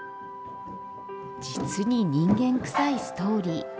実に人間臭いストーリー。